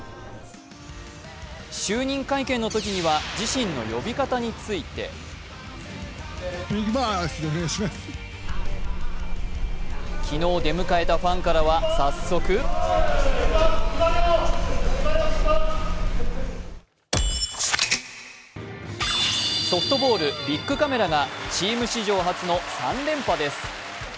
就任会見のときには自身の呼び方について昨日出迎えたファンからは、早速ソフトボール・ビックカメラがチーム史上初の３連覇です。